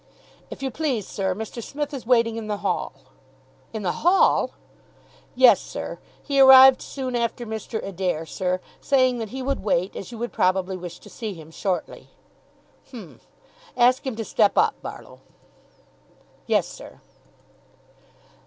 "If you please, sir, Mr. Smith is waiting in the hall." "In the hall!" "Yes, sir. He arrived soon after Mr. Adair, sir, saying that he would wait, as you would probably wish to see him shortly." "H'm. Ask him to step up, Barlow." "Yes, sir."